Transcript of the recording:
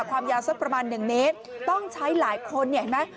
ความยาวสักประมาณ๑เมตรต้องใช้หลายคนเนี่ยเห็นไหม